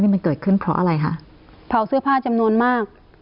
มันเกิดขึ้นเพราะอะไรคะเผาเสื้อผ้าจำนวนมาก